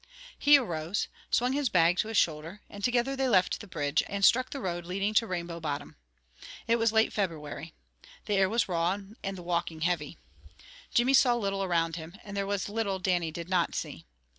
He arose, swung his bag to his shoulder, and together they left the bridge, and struck the road leading to Rainbow Bottom. It was late February. The air was raw, and the walking heavy. Jimmy saw little around him, and there was little Dannie did not see.